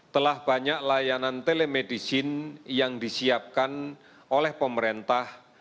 telah banyak layanan telemedicine yang disiapkan oleh pemerintah